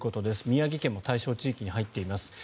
宮城県も対象地域に入っています。